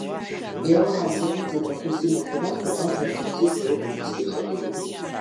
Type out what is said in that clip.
Иара уаҳа дзаҟәымҵит, рахәыс имоу шәарахуп, ахра цыҩцықәа роуп ҩнысгьы ихагылоу.